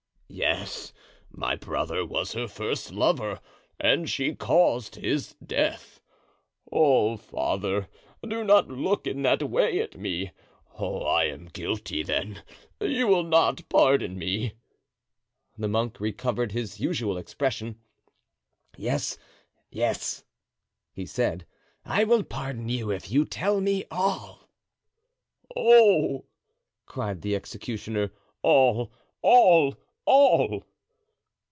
"Yes, my brother was her first lover, and she caused his death. Oh, father, do not look in that way at me! Oh, I am guilty, then; you will not pardon me?" The monk recovered his usual expression. "Yes, yes," he said, "I will pardon you if you tell me all." "Oh!" cried the executioner, "all! all! all!"